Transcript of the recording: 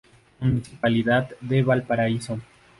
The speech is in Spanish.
Municipalidad de Valparaíso.